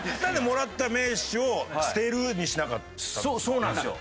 そうなんですよ。